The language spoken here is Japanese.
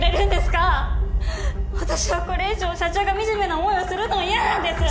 私はこれ以上社長が惨めな思いをするのは嫌なんです！